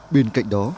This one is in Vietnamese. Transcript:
bên cạnh đó